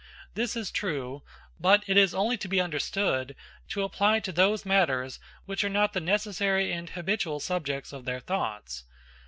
This is true; but it is only to be understood to apply to those matters which are not the necessary and habitual subjects of their thoughts.